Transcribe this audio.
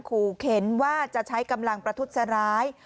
ขู่เข็นว่าจะใช้กำลังประทุษร้าย